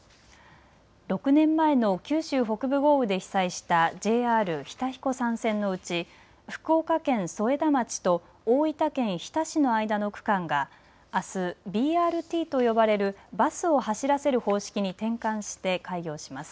６年前の九州北部豪雨で被災したＪＲ日田彦山線のうち福岡県添田町と大分県日田市の間の区間があすＢＲＴと呼ばれるバスを走らせる方式に転換して開業します。